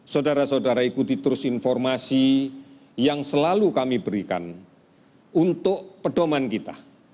saudara saudara ikuti terus informasi yang selalu kami berikan untuk pedoman kita